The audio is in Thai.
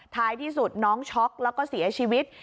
ท้ายที่สุดน้องช็อกแล้วก็เสียชีวิต